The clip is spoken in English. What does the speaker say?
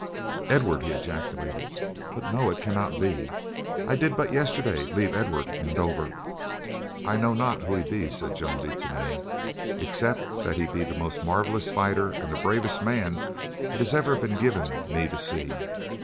"Edward?" he ejaculated. "But no, it cannot be, I did but yesterday leave Edward in Dover." "I know not who he be," said Joan de Tany, "except that he be the most marvelous fighter and the bravest man it has ever been given me to see.